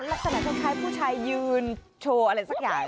ลักษณะคล้ายผู้ชายยืนโชว์อะไรสักอย่าง